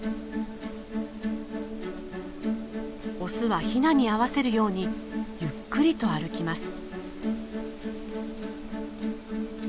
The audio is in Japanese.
オスはヒナに合わせるようにゆっくりと歩きます。